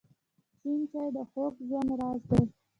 شین چای د خوږ ژوند راز دی.